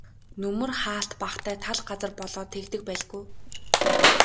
Нөмөр хаалт багатай тал газар болоод тэгдэг байлгүй.